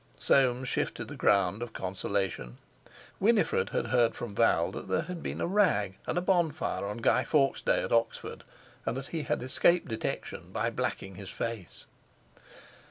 Soames shifted the ground of consolation. Winifred had heard from Val that there had been a "rag" and a bonfire on Guy Fawkes Day at Oxford, and that he had escaped detection by blacking his face.